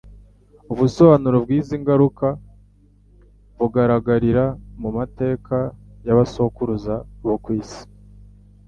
Ubusobanuro bw'izi ngaruka bugaragarira mu mateka ya basekuruza bo ku isi.